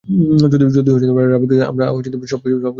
যদি রাভিকে ধরি, আমরা সবকিছুর উত্তর পেয়ে যাব।